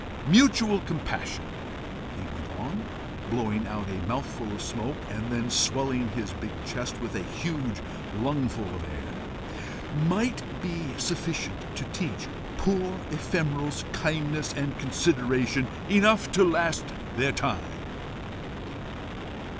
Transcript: Mutual compassion," he went on, blowing out a mouthful of smoke and then swelling his big chest with a huge lungsful of air, "might be sufficient to teach poor ephemerals kindness and consideration enough to last their time."